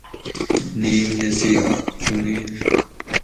نِیم نصیات (چُنڑیل: